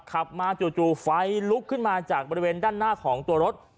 ขับมาจู่ไฟลุกขึ้นมาจากบริเวณด้านหน้าของตัวรถ